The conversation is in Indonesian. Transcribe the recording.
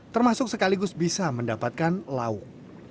termasuk sekaligus bisa mendapatkan lauk